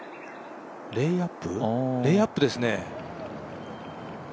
レイアップですね。